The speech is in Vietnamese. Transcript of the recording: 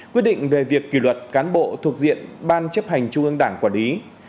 quyết định về việc kỷ luật cán bộ thuộc diện ban chấp hành trung ương đảng quản lý